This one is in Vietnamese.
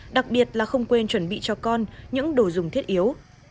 đặc biệt là không quên chuẩn bị cho con những đồ dùng thiết yếu